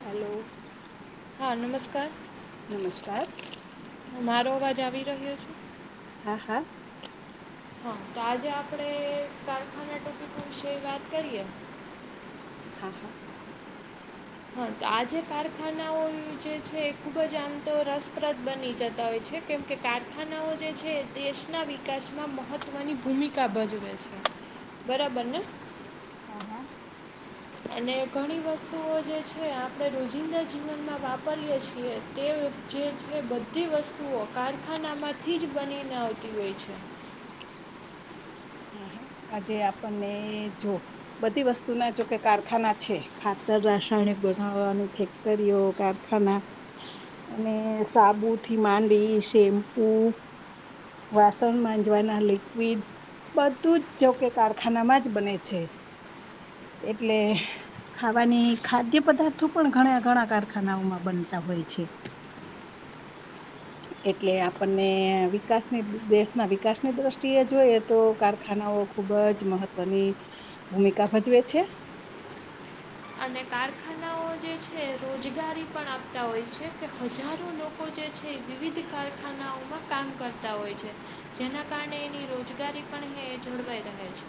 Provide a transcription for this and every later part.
Hello હા નમસ્કાર નમસ્કાર મારો અવાજ આવી રહ્યો છે હા હા હા તો આજે આપણે કારખાના ટોપિકો વિશે વાત કરીએ હા હા હા તો આજે કારખાનાઓ જે છે એ ખૂબ જ આમ તો રસપ્રદ બની જતા હોય છે કેમકે કારખાનાઓ જે છે એ દેશના વિકાસમાં મહત્વની ભૂમિકા ભજવે છે બરાબરને હા હા અને ઘણી વસ્તુઓ જે છે આપણે રોજિંદા જીવનમાં વાપરીએ છીએ તે જે છે બધી વસ્તુઓ કારખાનામાંથી જ બનીને આવતી હોય છે હા હા આજે આપણને જો બધી વસ્તુ ના જો કે કારખાના છે ખાતર રાસાયણિક બનાવાની ફેક્ટરીઓ કારખાના અને સાબુથી માંડી શેમ્પુ વાસણ માંજવાના લિક્વિડ બધું જ જો કે કારખાનામાં જ બને છે એટલે ખાવાની ખાદ્ય પદાર્થો પણ ઘણા ઘણા કારખાનાઓમાં બનતા હોય છે એટલે આપને વિકાસની દેશના વિકાસની દ્રષ્ટિએ જોઈએ તો કારખાનાઓ ખુબ જ મહત્વની ભૂમિકા ભજવે છે છે અને કારખાનાઓ જે છે રોજગારી પણ આપતા હોય છે કે હજારો લોકો જે છે એ વિવિધ કારખાનાઓમાં કામ કરતા હોય છે જેના કારણે એની રોજગારી પણ જળવાઈ રહે છે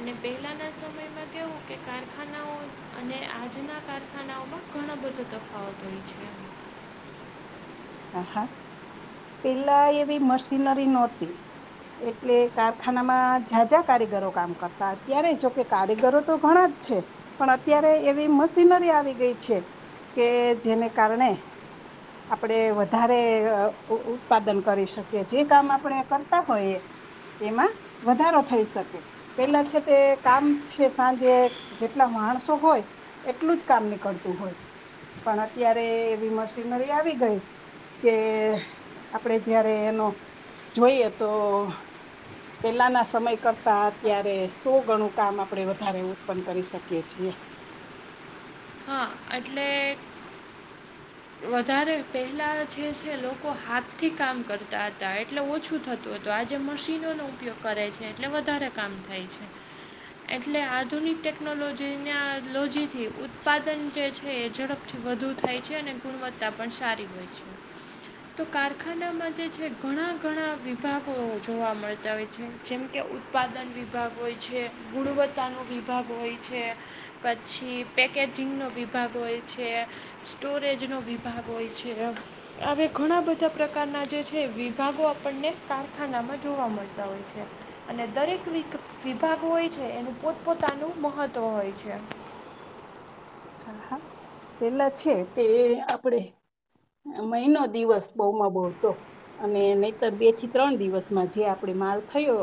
અને પહેલાંના સમયમાં કવું કે કારખાનાઓ અને આજના કારખાનાઓમાં ઘણા બધો તફાવત થય છે હા હા પેલા એવી મશીનરી નહોતી એટલે કારખાનામાં જા્યાં જા્યાં કારીગરો કામ કરતા અત્યારે જોકે કારીગરો તો ઘણા જ છે પણ અત્યારે એવી મશીનરી આવી ગઈ છે કે જેને કારણે આપણે વધારે ઉત્પાદન કરી શકીએ જે કામ આપણે કરતા હોઈએ એમાં વધારો થઈ શકે પેલા છે તે કામ છે સાંજે જેટલા માણસો હોય એટલું જ કામ નીકળતું હોય પણ અત્યારે એવી મશીનરી આવી ગઈ કે આપણેે જયારે એનો જોઈએ તો પેલાના સમય કરતા અત્યારે સો ગણું કામ આપણેે વધારે ઉત્પન્ન કરી શકીએ છીએ હા એટલે વધારે પહેલાં જે છે લોકો હાથથી કામ કરતા હતા એટલે ઓછું થતું હતું આજે મશીનોનો ઉપયોગ કરે છે એટલે વધારે કામ થાય છે એટલે આધુનિક ટેકનોલોજીના લોજીથી ઉત્પાદન જે છે એ ઝડપથી વધુ થાય છે અને ગુણવત્તા પણ સારી હોય છે તો કારખાનામાં જે છે ઘણા ઘણા વિભાગો જોવા મળતા હોય છે જેમ કે ઉત્પાદન વિભાગ હોય છે ગુણવત્તાનો વિભાગ હોય છે પછી પેકેજિંગનો વિભાગ હોય છે સ્ટોરેજ આજ ન વિભાગ હોય છે આવે ઘણા બધા પ્રકારના જે છે વિભાગો આપણને કારખાનામાં જોવા મળતા હોય છે અને દરેક વિભાગ હોય છે એનું પોતપોતાનું મહત્વ હોય છે આહા પેલા છે તે આપણેે મહિનો દિવસ બહુમાં બહ તો અને નહીતર બે થી ત્રણ દિવસમાં જે આપડે માલ થયો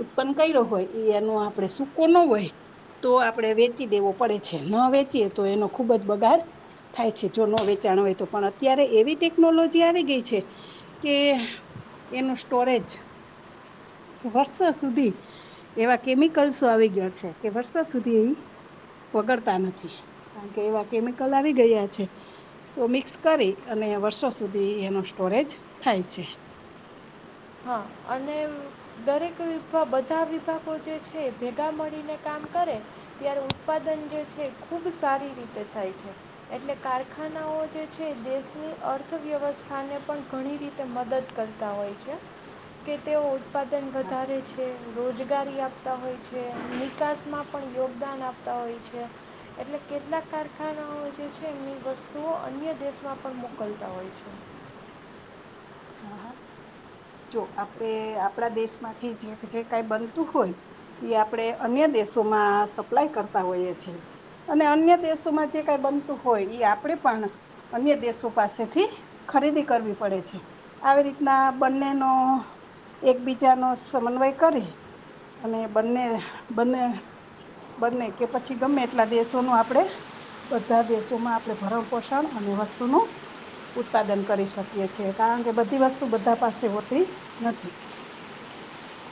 ઉત્પન્ન કર્યો હોય એ એનો આપણે સૂકો ન હોય તો આપડે વેચી દેવો પડે છે ન વેચી તો એનો ખુબ જ બગાડ થાય છે જો ન વેચાણ હોય તો પણ અત્યારે એવી ટેકનોલોજી આવી ગઈ છે કે એનું સ્ટોરેજ કે વર્ષો સુધી એવા કેમિકલ્સો આવી ગયા છે કે વર્ષો સુધી એ વગડતા નથી કારણ કે એવા કેમિકલ આવી ગયા છે તો મિક્સ કરી અને વર્ષો સુધી એનો સ્ટોરેજ થાય છે હા અને દરેક વિભ બધા વિભાગો જે છે ભેગા મળીને કામ કરે ત્યારે ઉત્પાદન જે છે ખૂબ સારી રીતે થાય છે એટલે કારખાનાઓ જે છે દેશની અર્થવ્યવસ્થાને પણ ઘણી રીતે મદદ કરતા હોય છે અચ્છ કે તેઓ ઉત્પાદન હા વધારે છે રોજગારી આપતા હોય છે નિકાસમાં પણ યોગદાન આપતા હોય છે, એટલે કેટલાક કારખાનાઓ જે છે એની વસ્તુઓ અન્ય દેશમાં પણ મોકલતા હોય છે. હા હા જો આપણે આપણા દેશમાંથી જે કઈ બનતું હોય એ આપણે અન્ય દેશોમાં સપ્લાય કરતા હોઈએ છીએ, અને અન્ય દેશોમાં જે કઈ બનતું હોય એ આપણેે પણ, અન્ય દેશો પાસેથી ખરીદી કરવી પડે છે. આવી રીતના બંનેનો એકબીજાનો સમન્વય કરી અને બંને બંને બંને કે પછી ગમે એટલા દેશોનું આપણે બધા દેશોમાં આપણે ભરણ પોષણ અને વસ્તુનું ઉત્પાદન કરી શકીએ છેએ, કારણ કે બધી વસ્તુ બધા પાસે હોતી નથી.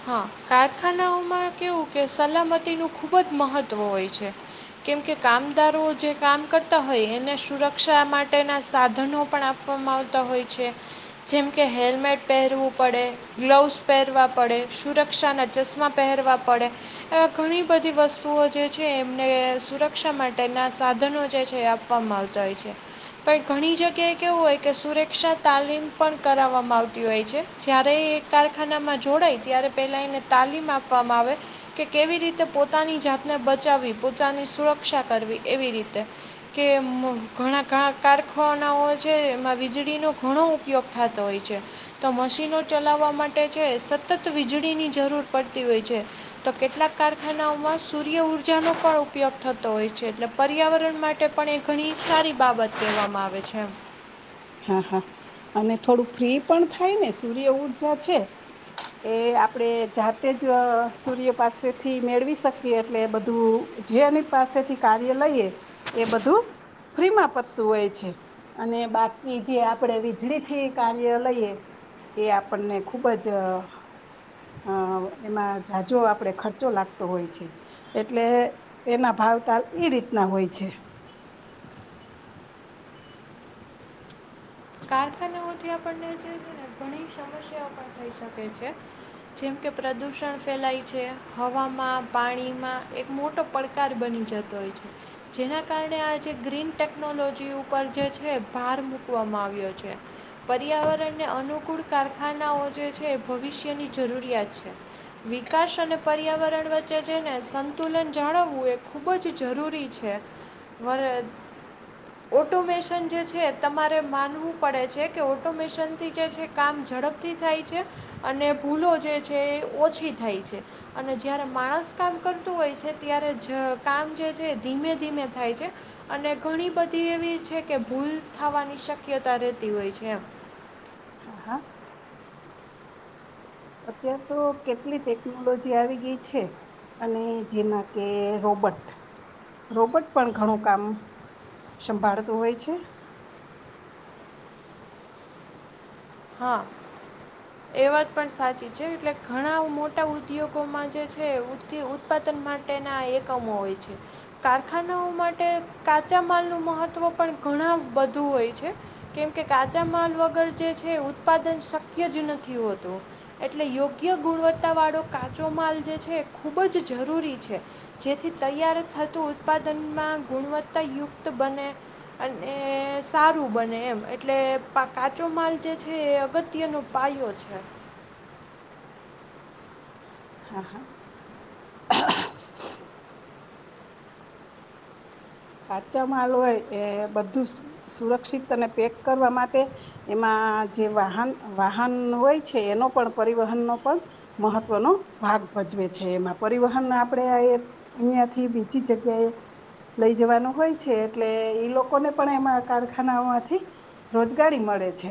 હા કારખાનાઓમાં કેવું કે સલામતીનું ખૂબ જ મહત્ત્વ હોય છે કેમકે કામદારો જે કામ કરતા હોય એને સુરક્ષા માટેના સાધનો પણ આપવામાં આવતા હોય છે, જેમ કે હેલ્મેટ પહેરવું પડે ગ્લવસ પહેરવા પડે. સુરક્ષાના ચશ્મા પહેરવા પડે એવા ઘણી બધી વસ્તુઓ જે છે, એમને સુરક્ષા માટેના સાધનો જે છે, એ આપવામાં આવતા હોય છે પણ ઘણી જગ્યાએ કેહેવું હોય કે સુરક્ષા તાલીમ પણ કરાવવામાં આવતી હોય છે જ્યારે એક કારખાનામાં જોડાય. ત્યારે પહેલાં એને તાલીમ આપવામાં આવે કે કેવી રીતે પોતાની જાતને બચાવવી પોતાની સુરક્ષા કરવી એવી રીતે કે ઘણા કારખાનાઓ છે, એમાં વીજળીનો ઘણો ઉપયોગ થતો હોય છે, તો મશીનો ચલાવવા માટે માટે જે સ વીજળીની જરૂર પડતી હોય છે, તો કેટલાક કારખાનાઓમાં સૂર્ય ઊર્જાનો પણ ઉપયોગ થતો હોય છે એટલે પર્યાવરણ માટે પણ એક ઘણી સારી બાબત કહેવામાં આવે છે. છે એમ. હા હા અને થોડું ફ્રી પણ થાય ને સૂર્ય ઊર્જા છે, એ આપડે જાતે જ સૂર્ય પાસેથી મેળવી શકીએ એટલે બધું જેની પાસેથી કાર્ય લઈએ એ બધું ફ્રી માં પત્તું હોય છે, અને બાકી જે આપણે વીજળીથી કાર્ય લઈએ એ આપણને ખુબ જ એમાં જાજો આપણે ખર્ચો લાગતો હોય છે, એટલે એના ભાવ ત એ રીતના હોય છે. કારખાનાઓથી આપણને જેને ઘણી સમસ્યા પણ થઈ શકે છે, જેમ કે પ્રદુષણ ફેલાય છે હવામાં પાણીમાં એક મોટો પડકાર બની જતો હોય છે, જેના કારણે આ જે ગ્રીન ટેકનોલોજી ઉપર જે છે ભાર મૂકવામાં આવે પર્યાવરણને અનુકૂળ કારખાનાઓ જે છે, એ ભવિષ્યની જરૂરિયાત છે, વિકાસ અને પર્યાવરણ વચ્ચે છેને સંતુલન જાળવવું એ ખૂબ જ જરૂરી છે ઓટોમેશન જે છે તમારે માનવું પડે છે કે ઓટોમેશનથી જે છે કામ ઝડપથી થાય છે અને ભૂલો જે છે એ ઓછી થાય છે અને જ્યારે માણસ કામ કરતું હોય છે, ત્યારે જ કામ જે છે એ ધીમે ધીમે થાય છે અને ઘણી બધી એવી છે, કે ભૂલ થવાની શક્ શક્યતા રહેતી હોય છે એમ. હા હા. અત્યાર તો કેટલી ટેકનોલોજી આવી ગઈ છે, અને જેમાં કે રોબોટ રોબોટ, પણ ઘણું કામ સંભાળતું હોય છે. હા એ વાત પણ સાચી છે એટલે ઘણા મોટા ઉદ્યોગોમાં જે છે ઉત્પાદન માટેના એકમો હોય છે, કારખાનાઓ માટે કાચા માલનું મહત્વ પણ ઘણા બધુ હોય છે, કેમકે કાચા માલ વગર જે છે છે ઉત્પાદન શક્ય જ નથી હોતું એટલે યોગ્ય ગુણવત્તાવાળો કાચો માલ જે છે એ ખૂબ જ જરૂરી છે, જેથી તૈયાર થતું ઉત્પાદનમાં ગુણવત્તાયુક્ત બને અને સારું બને એમ, એટલે પા કાચો માલ જે છે એ અગત્યનો પાયો છે. હા હા. કાચા માલ હોય એ બધું સુરક્ષિત અને પેક કરવા માટે એમાં જે વાહન વાહન હોય છે એનો પણ, પરિવહનનો પણ મહત્વનો ભાગ ભજવે છે એમાં, પરિવહન આપણે અહિયાંયાથી બીજી જગ્યાએ લઈ જવાનું હોય છે એટલે ઈ લોકોને પણ એમાં કારખાનામાંથી, રોજગારી મળે છે.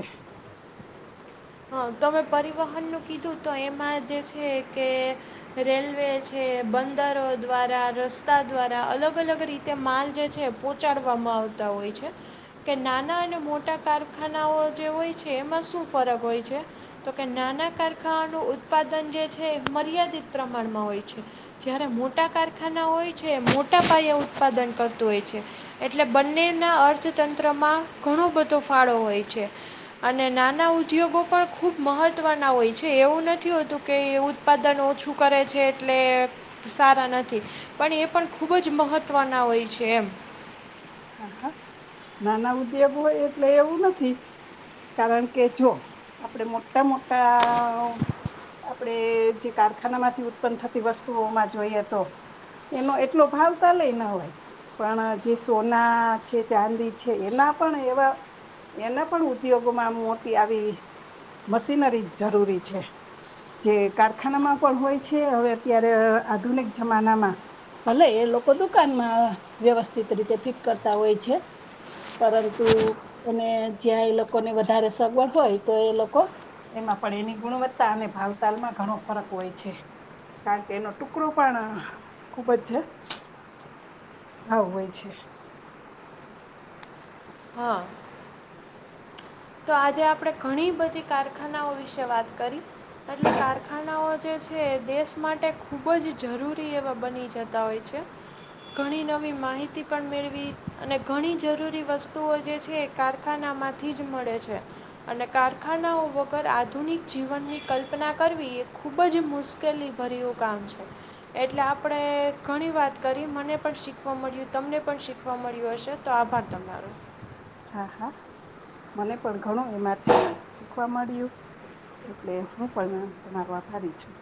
હા તમે પરિવહનનું કીધું તો એમાં જે છે કે રેલવે છે બંદરો દ્વારા રસ્તા દ્વારા અલગ અલગ રીતે માલ જે છે પહંચાડવામાં આવતા હોય છે કે નાના અને મોટા કારખાનાઓ જે હોય છે એમાં શું ફરક હોય છે. તો કે નાના કારખાનાનું ઉત્પાદન જે છે મર્યાદિત પ્રમાણમાં હોય છે, જ્યારે મોટા કારખાના હોય છે મોટા પાયે ઉત્પાદન કરતું હોય છે, એટલે બંનેના અર્થતંત્રમાં ઘણો બધો ફાળો હોય છે, અને નાના ઉદ્યોગો પણ ખૂબ મહત્વના હોય છે એવું નથી હોતું કે એવું ઉત્પાદન ઓછું કરે છે. છે એટલે સારા નથી પણ એ પણ ખૂબ જ મહત્ત્વના હોય છે એમ. હા હા નાના ઉદ્યોગ હોય એટલે એવું નથી કારણ કે જો આપડે મોટા મોટા આપણેે જે કારખાના માંથી ઉત્પન્ન થતી વસ્તુઓમાં જોઈએ તો, એનો એટલો ભાવ તો લઈ ન હોય, પણ જે સોના છે ચાંદી છે એના પણ એવા એના પણ ઉદ્યોગોમાં મોટી આવી મશીનરી જરૂરી છે જે કારખાનામાં પણ હોય છે હવે અત્યારે અ આધુનિક જમાનામાં ભલે એ લોકો દુકાનમાં અ વ્યવસ્થિત અ તે ને રીતે ફીટ કરતા હોય છે પરંતુ અને જ્યાં એ લોકોને વધારે સગવડ હોય તો એ લોકો એમાં પણ એની ગુણવત્તા અને ભાવતાલમાં ઘણો ફરક હોય છે કારણ કે એનો ટુકડો પણ અ ખુબ જ છે હા હોય છે હા તો આજે આપણે ઘણી બધી કારખાનાઓ વિશે વાત કરી એટલે કારખાનાઓ જે છે છે દેશ માટે ખૂબ જ જરૂરી એવા બની જતા હોય છે ઘણી નવી માહિતી પણ મેળવી અને ઘણી જરૂરી વસ્તુઓ જે છે એ કારખાનામાંથી જ મળે છે અને કારખાનાઓ વગર આધુનિક જીવનની કલ્પના કરવી એ ખુબ જ મુશ્કેલી ભર્યું કામ છે એટલે આપણે ઘણી વાત કરી મને પણ શીખવા મળ્યું તમને પણ શીખવા મળ્યું હશે તો આભાર તમારો હા હા મને પણ ઘણું એમાંથી શીખવા મળ્યું એટલે હું પણ તમારો આભારી છું